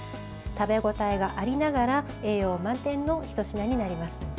食べ応えがありながら栄養満点のひと品になります。